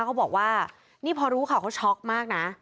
เขาบอกว่านี่พอรู้ข่าวเขาช็อกมากนะ